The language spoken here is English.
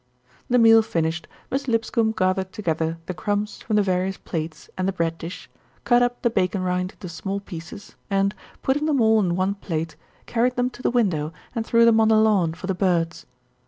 The meal finished, Miss Lipscombe gathered to gether the crumbs from the various plates and the bread dish, cut up the bacon rind into small pieces and, putting them all on one plate, carried them to the win dow and threw them on the lawn for the birds.